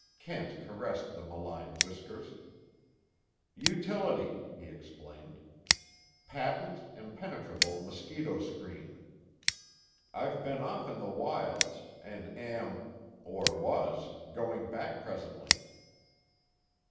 Kent caressed the maligned whiskers. "Utility," he explained. "Patent, impenetrable mosquito screen. I've been off in the wilds, and am—or was—going back presently."